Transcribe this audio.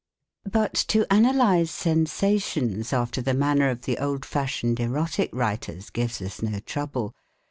But to analyse sensations after the manner of the old fashioned erotic writers gives us no trouble.